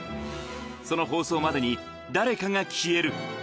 その放送までに、誰かが消える。